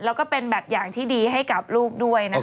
แล้วก็เป็นแบบอย่างที่ดีให้กับลูกด้วยนะคะ